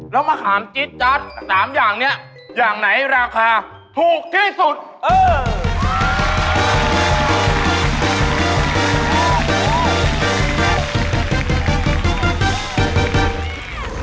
แล้วมะขามจี๊ดจ๊ะสามอย่างเนี้ยอย่างไหนราคาถูกที่สุดเออ